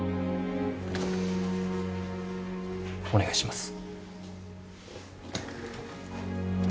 お願いします。